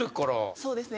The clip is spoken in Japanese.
そうですね。